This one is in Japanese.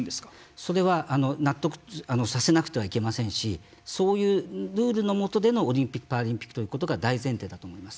それは納得させなくてはいけませんしそういうルールのもとでのオリンピック・パラリンピックということが大前提だと思います。